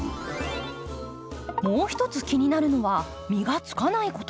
もう一つ気になるのは実がつかないこと。